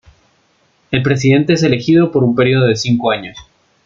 El presidente es elegido por un periodo cinco de años.